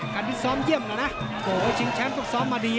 การที่ซ้อมเยี่ยมแล้วนะโอ้โหชิงแชมป์ต้องซ้อมมาดี